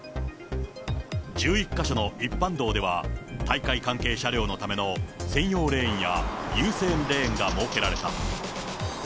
１１か所の一般道では、大会関係車両のための専用レーンや優先レーンが設けられた。